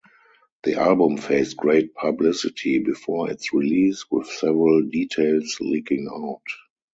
The album faced great publicity before its release, with several details leaking out.